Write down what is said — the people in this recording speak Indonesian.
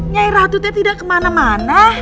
nyai ratu teh tidak kemana mana